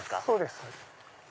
そうです。